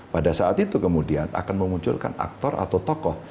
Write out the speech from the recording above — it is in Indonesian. pada saat itu kemudian akan memunculkan aktor atau tokoh